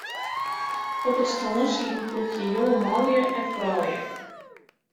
Op it strân siet in ploechje jonge manlju en froulju.